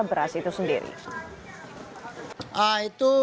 beras itu sendiri